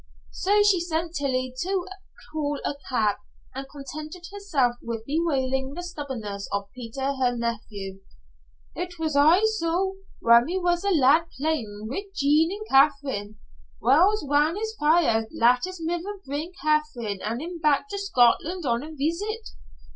So she sent Tillie to call a cab, and contented herself with bewailing the stubbornness of Peter, her nephew. "It was aye so, whan he was a lad playin' wi' Jean an' Katherine, whiles whan his feyther lat his mither bring Katherine and him back to Scotland on a veesit.